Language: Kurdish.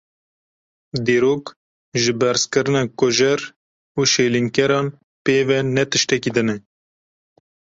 Dîrok, ji berzkirina kujer û şêlînkeran pê ve ne tiştekî din e.